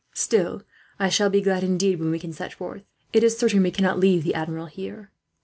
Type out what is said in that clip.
Still, I shall be glad, indeed, when we can set forth. "It is certain we cannot leave the Admiral here.